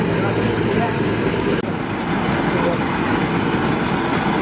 แม่งก่อนก่อนว่านว่าน